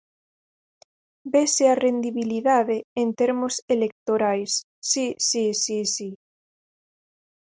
Vese a rendibilidade en termos electorais, si, si, si, si.